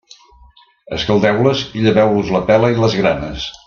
Escaldeu-les i lleveu-los la pela i les granes.